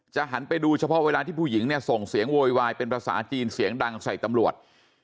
หันไปดูเฉพาะเวลาที่ผู้หญิงเนี่ยส่งเสียงโวยวายเป็นภาษาจีนเสียงดังใส่ตำรวจ